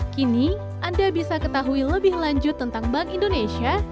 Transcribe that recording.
kini anda bisa ketahui lebih lanjut tentang bank indonesia